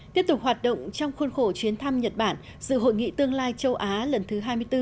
tiếp tục hoạt động trong khuôn khổ chuyến thăm nhật bản dự hội nghị tương lai châu á lần thứ hai mươi bốn